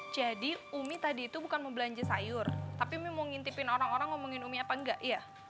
jadi umi tadi itu bukan mau belanja sayur tapi umi mau ngintipin orang orang ngomongin umi apa enggak ya